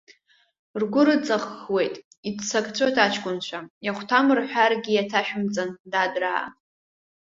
Ргәы рыҵаххуеит, иццакцәоит аҷкәынцәа, иахәҭам рҳәаргьы, иаҭашәымҵан, дадраа.